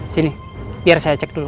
sini biar saya cek dulu